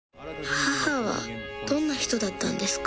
母はどんな人だったんですか？